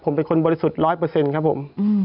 ผมเป็นคนบริสุทธิ์ร้อยเปอร์เซ็นต์ครับผม